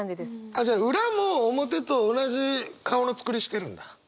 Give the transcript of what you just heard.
あっじゃあ裏も表と同じ顔のつくりしてるんだ？